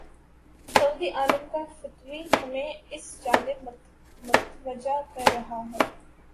سعودی عالم کا فتوی ہمیں اس جانب متوجہ کر رہا ہے۔